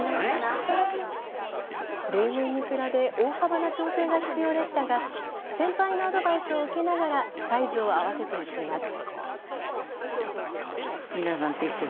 例年に比べ大幅な調整が必要でしたが先輩のアドバイスを受けながらサイズを合わせていきます。